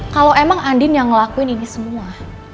kalo emang andien yang ngelakuin ini semua